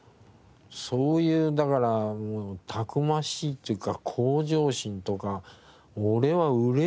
そういうだからたくましいというか向上心とか「俺は売れるぞ」っていう意識がね